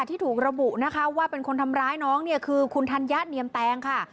ที่ถูกระบุนะคะว่าเป็นคนทำร้ายน้องเนี่ยคือคุณธัญญะเนียมแตงค่ะ